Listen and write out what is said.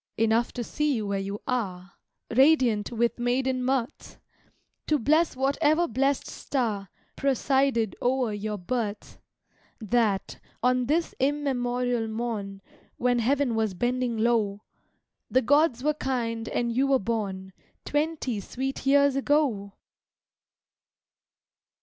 Enough to see you where you are, Radiant with maiden mirth! To bless whatever blessed star Presided o'er your birth, That, on this immemorial morn, When heaven was bending low, The gods were kind and you were born Twenty sweet years ago!